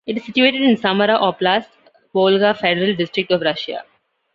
It is situated in Samara Oblast, Volga Federal District of Russia.